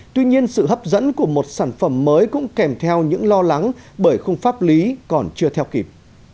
tuy nhiên sự hấp dẫn của một sản phẩm mới cũng kèm theo những lo lắng bởi khung pháp lý còn chưa theo kịp